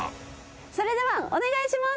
それではお願いします。